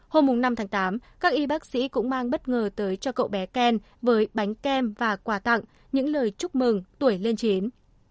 hôm năm tháng tám các y bác sĩ cũng mang bất ngờ tới cho cậu bé ken với bánh kem và quà tặng những lời chúc mừng tuổi lên chín